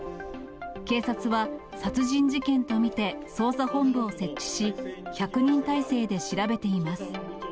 警察は殺人事件と見て捜査本部を設置し、１００人態勢で調べています。